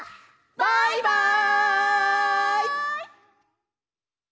バイバイ！